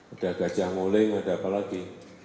ada gajah nguling ada apa lagi